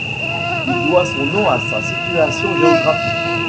Il doit son nom à sa situation géographique.